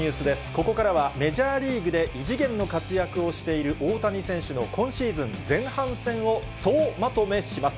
ここからは、メジャーリーグで異次元の活躍をしている大谷選手の今シーズン前半戦を総まとめします。